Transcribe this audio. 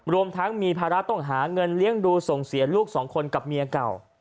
รวมทั้งมีภาระต้องหาเงินเลี้ยงดูส่งเสียลูกสองคนกับเมียเก่า